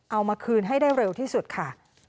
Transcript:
เอามาคืนให้ได้เร็วที่สุดค่ะ